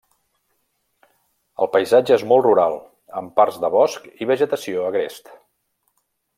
El paisatge és molt rural amb parts de bosc i vegetació agrest.